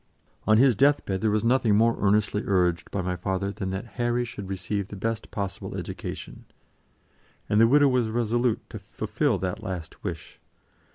On his death bed there was nothing more earnestly urged by my father than that Harry should receive the best possible education, and the widow was resolute to fulfil that last wish.